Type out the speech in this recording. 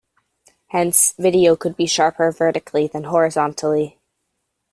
Hence, video could be sharper vertically than horizontally.